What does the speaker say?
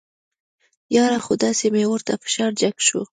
یاره خو داسې مې ورته فشار جګ شو.